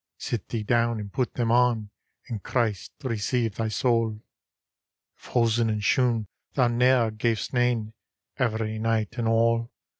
Sit thee down and put them on ; And Christe receive thy saule. If hosen and shoon thou jie'er gav'st nane, — Every nighte and alle.